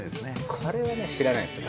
これはね知らないですよ